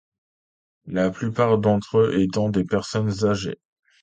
La plupart d'entre eux étant des personnes âgées.